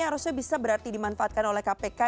harusnya bisa berarti dimanfaatkan oleh kpk